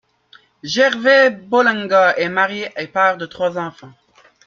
Gervais Bolenga est marié et père de trois enfants.